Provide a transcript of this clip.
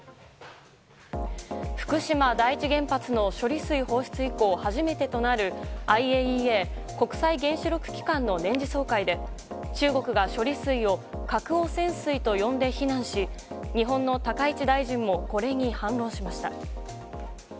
福島第一原発の処理水放出以降初めてとなるＩＡＥＡ・国際原子力機関の年次総会で中国が処理水を核汚染水と呼んで非難し日本の高市大臣もこれに反論しました。